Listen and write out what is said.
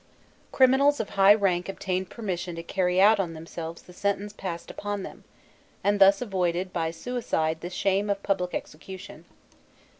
Criminals of high rank obtained permission to carry out on themselves the sentence passed upon them, and thus avoided by suicide the shame of public execution.